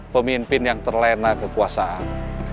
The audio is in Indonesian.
pemimpin yang terlena kekuasaan